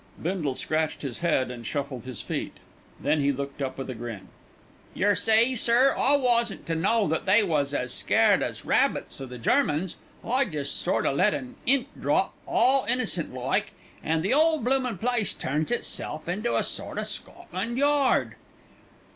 Bindle scratched his head and shuffled his feet. Then he looked up with a grin. "Yer see, sir, I wasn't to know that they was as scared as rabbits o' the Germans. I jest sort o' let an 'int drop all innocent like, an' the 'ole bloomin' place turns itself into a sort o' Scotland Yard."